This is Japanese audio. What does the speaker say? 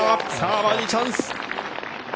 バーディーチャンス。